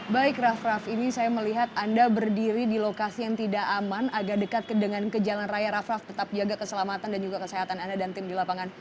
baik raff raff ini saya melihat anda berdiri di lokasi yang tidak aman agar dekat dengan ke jalan raya raff raff tetap jaga keselamatan dan juga kesehatan anda dan tim di lapangan